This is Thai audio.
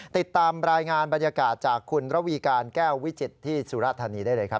ติดตามรายงานบรรยากาศจากคุณระวีการแก้ววิจิตรที่สุรธานีได้เลยครับ